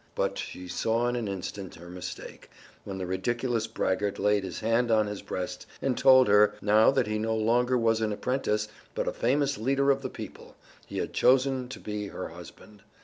But she saw in an instant her mistake, when the ridiculous braggart laid his hand on his breast and told her, now that he no longer was an apprentice but a famous leader of the people, he had chosen to be her husband.